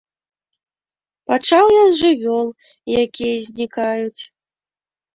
Пачаў я з жывёл, якія знікаюць.